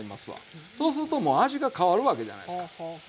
そうするともう味が変わるわけじゃないですか。ね。